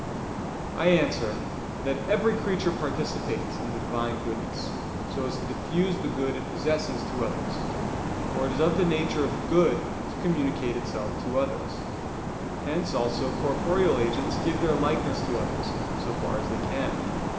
I answer that, Every creature participates in the Divine goodness, so as to diffuse the good it possesses to others; for it is of the nature of good to communicate itself to others. Hence also corporeal agents give their likeness to others so far as they can.